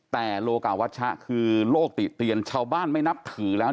แต่โลกาวัชชะคือโลกติเตียนชาวบ้านไม่นับถือแล้ว